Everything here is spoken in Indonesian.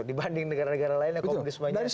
dibanding negara negara lainnya komunismenya sudah mulai